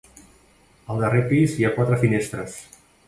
Al darrer pis hi ha quatre finestres.